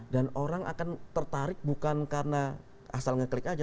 dan orang akan tertarik bukan karena asal ngeklik aja